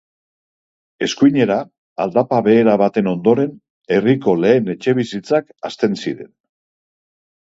Eskuinera, aldapa behera baten ondoren, herriko lehen etxebizitzak hasten ziren.